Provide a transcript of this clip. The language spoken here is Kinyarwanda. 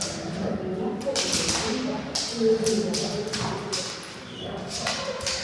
Menya ko igukunda, ko yuzuye imbabazi, ko izagufasha.